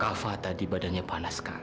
kava tadi badannya panas sekali